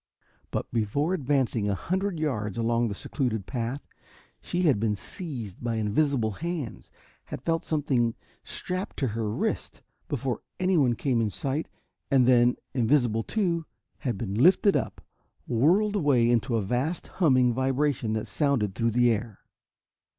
But before advancing a hundred yards along the secluded path, she had been seized by invisible hands had felt something strapped to her wrist, before anyone came in sight and then, invisible too, had been lifted up, whirled away into a vast, humming vibration that sounded through the air.